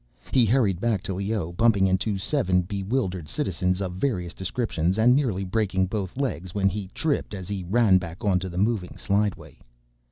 He hurried back to Leoh, bumping into seven bewildered citizens of various descriptions and nearly breaking both his legs when he tripped as he ran back onto the moving slideway.